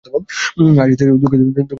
হ্যাঁঁ আসতেছি দুঃখিত আপনি কী যেনো বলতেছেন?